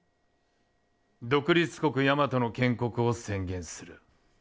独立国「やまと」の建国を宣言する。